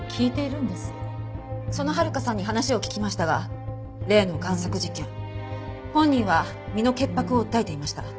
その温香さんに話を聞きましたが例の贋作事件本人は身の潔白を訴えていました。